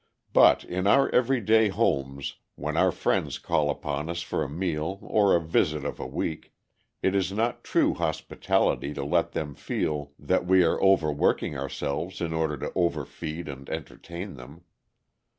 But in our every day homes, when our friends call upon us for a meal or a visit of a week, it is not true hospitality to let them feel that we are overworking ourselves in order to overfeed and entertain them.